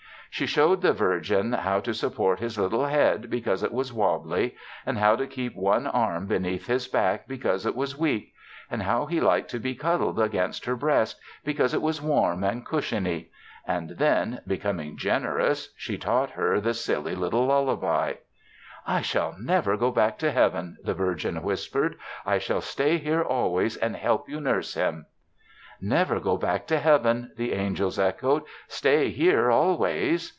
She showed the Virgin how to support his little head because it was wobbly; and how to keep one arm beneath his back because it was weak; and how he liked to be cuddled against her breast because it was warm and cushiony. And then, becoming generous, she taught her the silly little lullaby. "I shall never go back to Heaven," the Virgin whispered. "I shall stay here always and help you nurse him." "Never go back to Heaven," the angels echoed; "stay here always."